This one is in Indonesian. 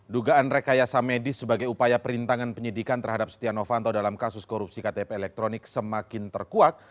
dugaan rekayasa medis sebagai upaya perintangan penyidikan terhadap setia novanto dalam kasus korupsi ktp elektronik semakin terkuat